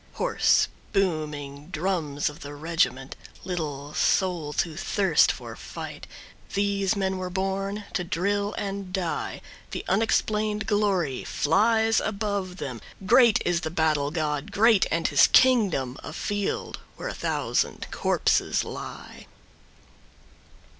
Hoarse, booming drums of the regiment, Little souls who thirst for fight, These men were born to drill and die. The unexplained glory flies above them, Great is the battle god, great, and his kingdom A field where a thousand corpses lie.